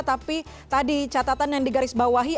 tapi tadi catatan yang digarisbawahi